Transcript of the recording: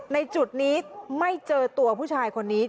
ในจุดนี้ไม่เจอตัวผู้ชายคนนี้